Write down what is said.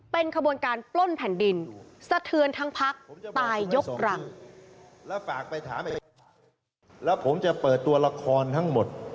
เป็นขบวนการปล้นแผ่นดินสะเทือนทั้งภาคตายยกรัง